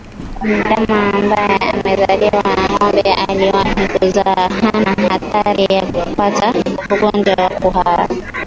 Ndama ambaye amezaliwa na ngombe aliyewahi kuzaa hana hatari ya kupata ugonjwa wa kuhara